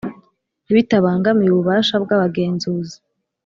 Bitabangamiye ububasha bw abagenzuzi